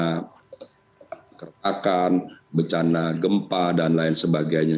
bencana kertakan bencana gempa dan lain sebagainya